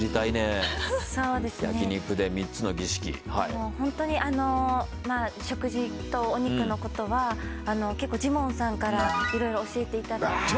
もうホントに食事とお肉のことは結構ジモンさんから色々教えていただいて。